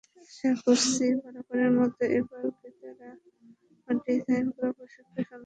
আশা করছি বরাবরের মতো এবারও ক্রেতারা আমার ডিজাইন করা পোশাকে সন্তুষ্ট থাকবেন।